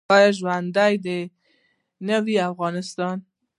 آیا ژوندی دې نه وي افغانستان؟